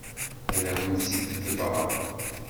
Ad awen-tt-id-ḍebbreɣ.